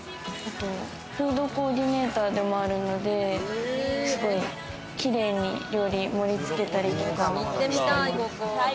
フードコーディネーターでもあるので、すごいキレイに料理を盛り付けたりとかもしてます。